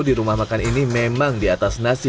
di rumah makan ini memang di atas nasi